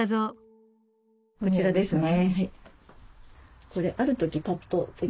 こちらですね。